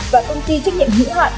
và công ty trách nhiệm hữu hạn